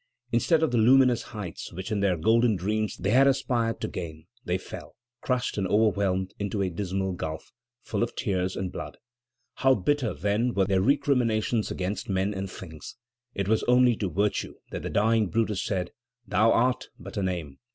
Instead of the luminous heights which in their golden dreams they had aspired to gain, they fell, crushed and overwhelmed, into a dismal gulf, full of tears and blood. How bitter then were their recriminations against men and things! It was only to virtue that the dying Brutus said: "Thou art but a name."